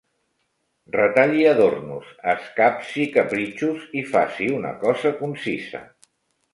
Retalli adornos, escapsi capritxos i faci una cosa concisa